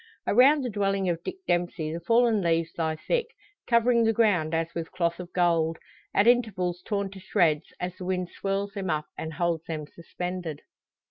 Around the dwelling of Dick Dempsey the fallen leaves lie thick, covering the ground as with cloth of gold; at intervals torn to shreds, as the wind swirls them up and holds them suspended.